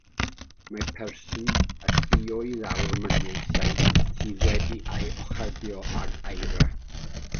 Mae person y sgïo i lawr mynydd sydd wedi ei orchuddio ag eira.